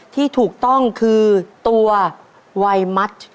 ที่ถูกต้องคือตัวไวมัช